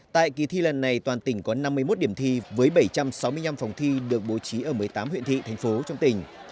tại kỳ thi lần này toàn tỉnh có năm mươi một điểm thi với bảy trăm sáu mươi năm phòng thi được bố trí ở một mươi tám huyện thị thành phố trong tỉnh